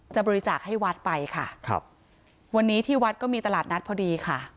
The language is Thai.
บริจาคให้วัดไปค่ะครับวันนี้ที่วัดก็มีตลาดนัดพอดีค่ะ